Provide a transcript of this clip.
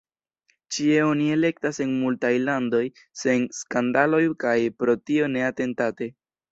Ĉie oni elektas, en multaj landoj sen skandaloj kaj pro tio ne atentate.